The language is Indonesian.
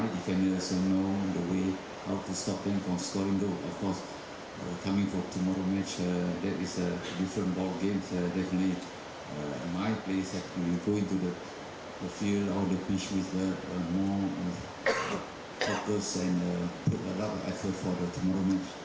di tempat saya saya akan pergi ke permainan atau pertandingan dengan lebih fokus dan berusaha untuk pertandingan besok